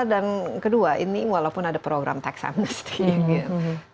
dan kedua ini walaupun ada program tax angsty cuman sampai menjadi hal yang lebih berharga